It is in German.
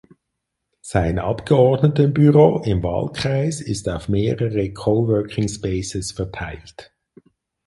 Sein Abgeordnetenbüro im Wahlkreis ist auf mehrere Coworkingspaces verteilt.